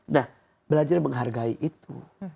nah belajar menghargai itu